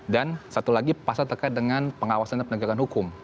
dan satu lagi pasal terkait dengan pengawasan dan penegakan hukum